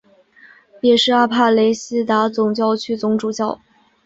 也是阿帕雷西达总教区总主教。